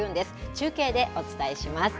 中継でお伝えします。